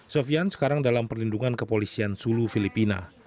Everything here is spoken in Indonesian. sofian sekarang dalam perlindungan kepolisian sulu filipina